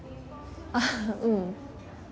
あううん。